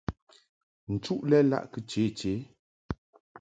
Nchuʼ lɛ laʼ kɨ che che.